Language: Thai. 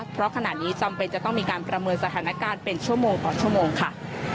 เพราะขณะนี้จำเป็นจะต้องมีการประเมินสถานการณ์เป็นชั่วโมงต่อชั่วโมงค่ะ